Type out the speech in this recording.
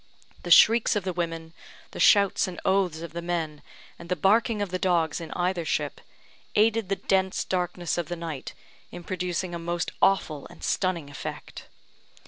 The shrieks of the women, the shouts and oaths of the men, and the barking of the dogs in either ship, aided the dense darkness of the night in producing a most awful and stunning effect.